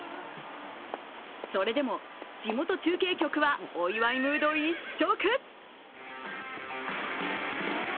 それでも地元中継局はお祝いムード一色！